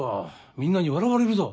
みんなに笑われるぞ。